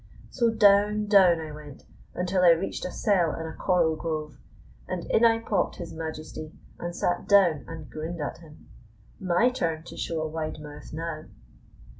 So down, down I went, until I reached a cell in a coral grove, and in I popped his Majesty, and sat down and grinned at him. My turn to show a wide mouth now.